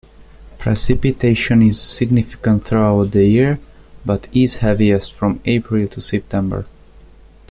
Precipitation is significant throughout the year, but is heaviest from April to September.